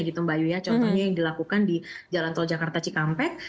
contohnya yang dilakukan di jalan tol jakarta cikampek